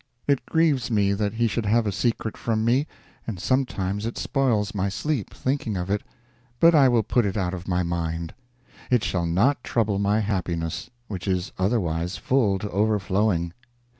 It grieves me that he should have a secret from me, and sometimes it spoils my sleep, thinking of it, but I will put it out of my mind; it shall not trouble my happiness, which is otherwise full to overflowing.